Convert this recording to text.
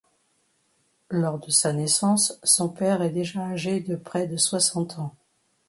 Lors de sa naissance, son père est déjà âgé de près de soixante ans.